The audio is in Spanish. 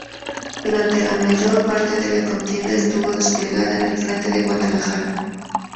Durante la mayor parte de la contienda estuvo desplegada en el frente de Guadalajara.